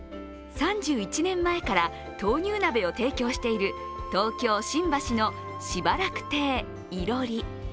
３１年前から豆乳鍋を提供している東京・新橋の暫亭いろり。